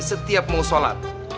setiap mau sholat